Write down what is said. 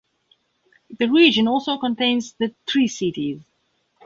The region also contains the Tri-Cities.